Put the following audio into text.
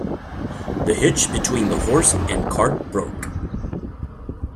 The hitch between the horse and cart broke.